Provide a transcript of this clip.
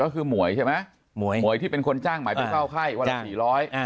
ก็คือหมวยใช่ไหมหมวยที่เป็นคนจ้างหมายไปเฝ้าไข้วันละสี่ร้อย